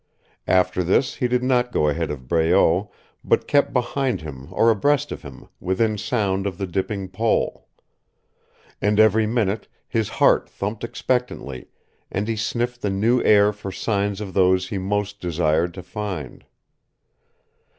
After this he did not go ahead of Breault, but kept behind him or abreast of him, within sound of the dipping pole. And every minute his heart thumped expectantly, and he sniffed the new air for signs of those he most desired to find.